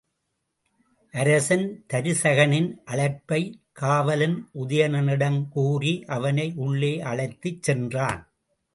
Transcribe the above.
அரசன் தருசகனின் அழைப்பைக் காவலன், உதயணனிடம் கூறி, அவனை உள்ளே அழைத்துச் சென்றான்.